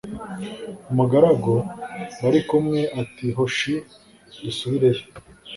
umugaragu bari kumwe ati hoshi dusubireyo